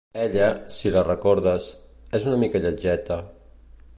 Ella, si la recordes, és una mica lletgeta...